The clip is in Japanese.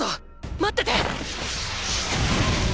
待ってて！！